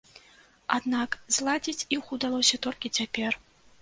Аднак зладзіць іх удалося толькі цяпер.